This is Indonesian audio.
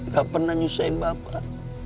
gak pernah nyusahin bapak